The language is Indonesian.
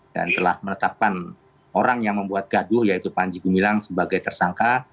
dan telah menetapkan orang yang membuat gaduh yaitu panjegu milang sebagai tersangka